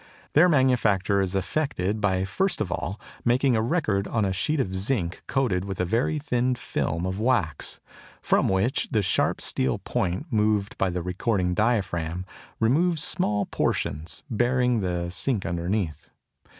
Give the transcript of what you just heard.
Their manufacture is effected by first of all making a record on a sheet of zinc coated with a very thin film of wax, from which the sharp steel point moved by the recording diaphragm removes small portions, baring the zinc underneath.